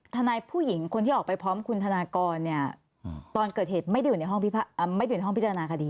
ทนายผู้หญิงคนที่ออกไปพร้อมคุณทนากรตอนเกิดเหตุไม่ได้อยู่ในห้องพิจารณาคดี